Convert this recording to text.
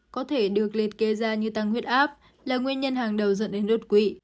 có thể được liệt kê ra như tăng huyết áp là nguyên nhân hàng đầu dẫn đến đột quỵ